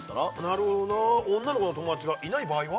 なるほどなあ女の子の友達がいない場合は？